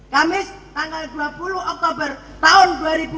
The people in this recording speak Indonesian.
kamis tanggal dua puluh oktober tahun dua ribu dua puluh